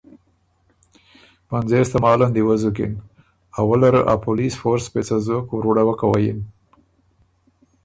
پنځېس تماله ن دی وزُکِن۔ اوله ره ا پولیس فورس پېڅه زوک وُرړوکه وه یِن۔